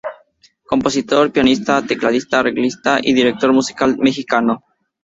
Compositor, pianista, tecladista, arreglista y director musical mexicano.